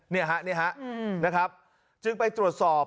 นี่ฮะนี่ฮะนะครับจึงไปตรวจสอบ